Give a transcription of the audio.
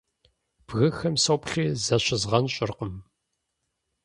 Бгыхэм соплъри защызгъэнщӀыркъым.